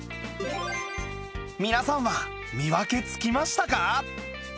皆さんは見分けつきましたか？